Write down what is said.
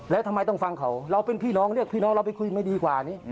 แล้วทำไมต้องฟังเขาเราเป็นพี่น้องเรียกพี่น้องเราไปคุยไม่ดีกว่านี้